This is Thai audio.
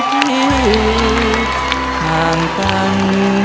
ขอบคุณครับ